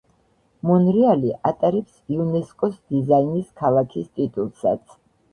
მონრეალი ატარებს იუნესკოს დიზაინის ქალაქის ტიტულსაც.